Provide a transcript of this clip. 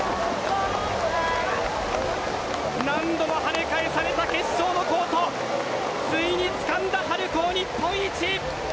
何度も跳ね返された決勝のコートついにつかんだ春高日本一。